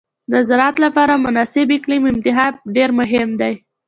د زراعت لپاره مناسب اقلیم انتخاب ډېر مهم دی.